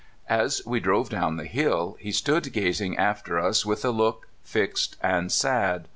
As we drove down the hill, he stood gazing after us with a look fixed and sad.